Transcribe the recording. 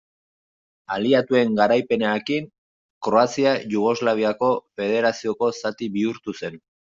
Aliatuen garaipenarekin, Kroazia Jugoslaviako Federazioko zati bihurtu zen.